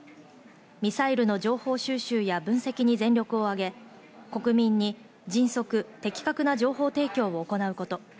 ミサイルの情報収集や分析に全力をあげ、国民に迅速・的確な情報提供を行うこと。